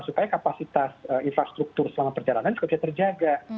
supaya kapasitas infrastruktur selama perjalanan juga bisa terjaga